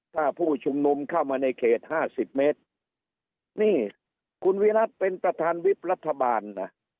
ถ้าผู้ชุมนุมเข้ามาในเขตห้าสิบเมตรนี่คุณวิรัติเป็นประธานวิบรัฐบาลนะ